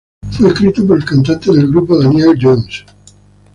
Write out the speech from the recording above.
Fue escrito por el cantante del grupo, Daniel Johns.